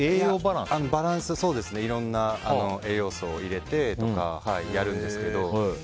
バランスいろんな栄養素を入れてとかやるんですけど。